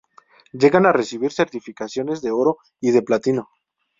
Llegan a recibir certificaciones de oro y de platino.